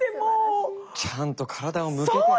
ちゃんと体を向けて。